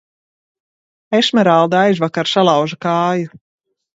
Esmeralda aizvakar salauza kāju.